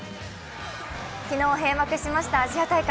昨日閉幕しましたアジア大会。